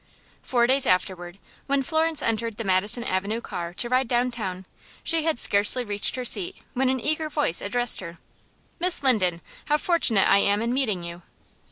Four days afterward, when Florence entered the Madison Avenue car to ride downtown, she had scarcely reached her seat when an eager voice addressed her: "Miss Linden, how fortunate I am in meeting you!"